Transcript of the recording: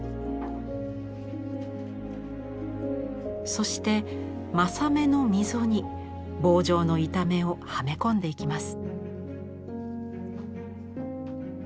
そして柾目の溝に棒状の板目をはめ込んでいきます。